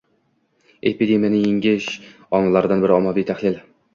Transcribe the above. Epidemiyani yengish omillaridan biri - ommaviy tahlil